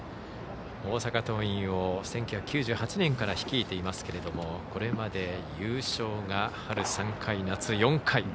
大阪桐蔭を１９９８年から率いていますけれどもこれまで、優勝が春３回、夏４回。